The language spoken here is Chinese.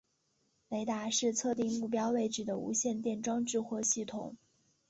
雷达是测定目标位置的无线电装置或系统。